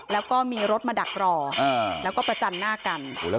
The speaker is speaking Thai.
แล้วก็มีรถมาดักรอแล้วก็ประจันหน้ากัน